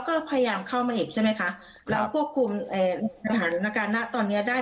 ก็พยายามเข้ามาอีกใช่ไหมคะแล้วควบคุมอิสราเอลตอนนี้ได้